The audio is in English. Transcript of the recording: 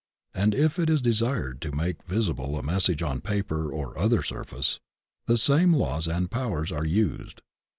And if it is desired to make visible a message on paper or other surface, the same laws and powers are used.